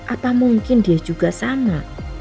atau mungkin dia juga sama